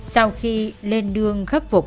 sau khi lên đường khắc phục